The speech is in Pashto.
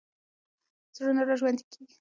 زړونه راژوندي کېږي.